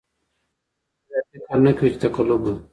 څوک دې دا فکر نه کوي چې تقلب به.